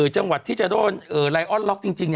จังหวัดที่จะโดนไลออนล็อกจริง